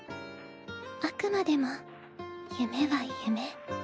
あくまでも夢は夢。